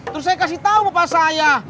terus saya kasih tahu bapak saya